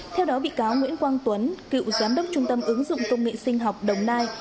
theo đó bị cáo nguyễn quang tuấn cựu giám đốc trung tâm ứng dụng công nghệ sinh học đồng nai